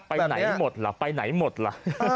ไปไหนหมดล่ะไปไหนหมดล่ะ